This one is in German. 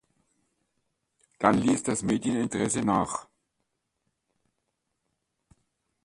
Dann ließ das Medieninteresse nach.